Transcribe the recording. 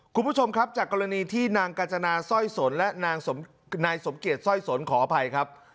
คุณผู้ชมครับจากกรณีที่นางกาจนาสร้อยสนและนางสมเกียจสร้อยสนขออภัยครับ